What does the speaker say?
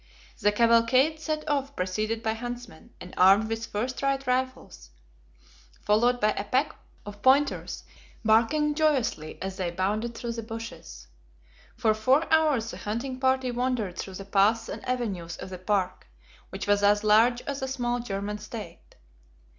The cavalcade set off preceded by huntsmen, and armed with first rate rifles, followed by a pack of pointers barking joyously as they bounded through the bushes. For four hours the hunting party wandered through the paths and avenues of the park, which was as large as a small German state.